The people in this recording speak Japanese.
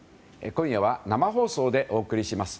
今夜は生放送でお送りします。